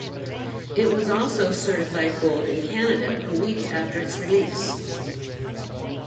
It was also certified gold in Canada a week after its release.